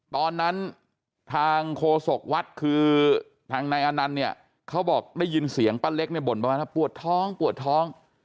ตอนนั้นทางโฆษกวัดคือทางนายอนันต์เนี่ยเขาบอกได้ยินเสียงป้าเล็กเนี่ยบ่นประมาณว่าปวดท้องปวดท้อง